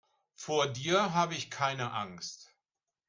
Vor dir habe ich keine Angst.